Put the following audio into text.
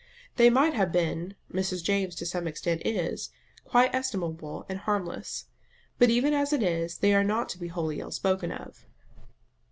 They might have been Mrs. James to some extent is quite estimable and harmless; but even as it is, they are not to be wholly ill spoken of.